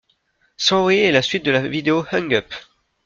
Sorry est la suite de la vidéo Hung Up.